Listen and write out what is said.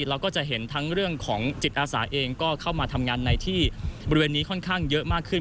เราก็จะเห็นทั้งเรื่องของจิตอาสาเองก็เข้ามาทำงานในที่บริเวณนี้ค่อนข้างเยอะมากขึ้น